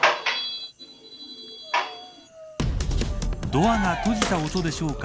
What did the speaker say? ドアが閉じた音でしょうか。